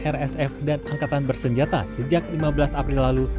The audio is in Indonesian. rsf dan angkatan bersenjata sejak lima belas april lalu